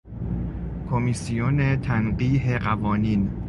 کمیسیون تنقیح قوانین